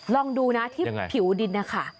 ลองดูนะที่ผิวดินนะคะ